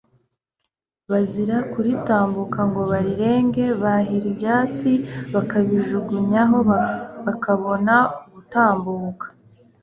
bazira kuritambuka ngo barirenge, bahira ibyatsi bakabijugunyaho, bakabona gutanbuka,